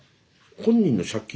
本人の借金？